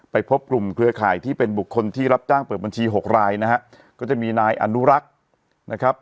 พบกลุ่มเครือข่ายที่เป็นบุคคลที่รับจ้างเปิดบัญชีหกรายนะฮะก็จะมีนายอนุรักษ์นะครับ